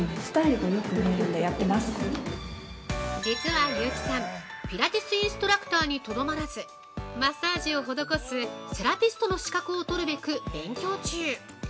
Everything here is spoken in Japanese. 実は、優木さんピラティスインストラクターにとどまらずマッサージを施すセラピストの資格を取るべく勉強中。